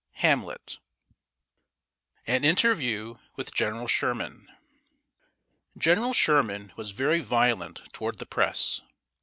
HAMLET. [Sidenote: AN INTERVIEW WITH GENERAL SHERMAN.] General Sherman was very violent toward the Press.